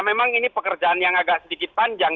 memang ini pekerjaan yang agak sedikit panjang